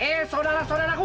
eh saudara saudara ku